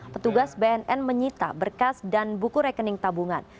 petugas bnn menyita berkas dan buku rekening tabungan